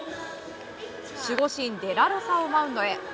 守護神デラロサをマウンドへ。